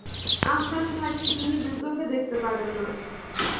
আফসার সাহেবকে তিনি দু চোখে দেখতে পারেন না।